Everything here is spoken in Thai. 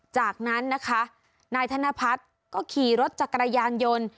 จากนั้นนะคะนายธนพัฒน์ก็ขี่รถจักรยานยนต์